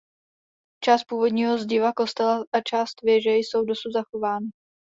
Část původního zdiva kostela a část věže jsou dosud zachovány.